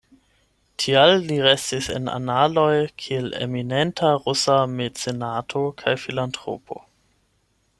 Tial li restis en analoj kiel eminenta rusa mecenato kaj filantropo.